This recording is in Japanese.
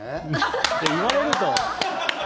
言われると。